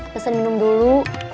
pesan minum dulu